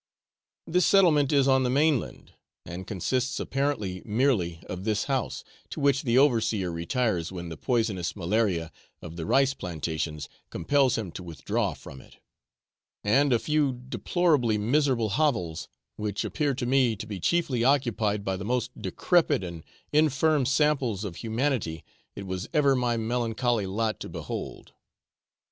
This settlement is on the mainland, and consists apparently merely of this house, (to which the overseer retires when the poisonous malaria of the rice plantations compels him to withdraw from it,) and a few deplorably miserable hovels, which appeared to me to be chiefly occupied by the most decrepid and infirm samples of humanity it was ever my melancholy lot to behold.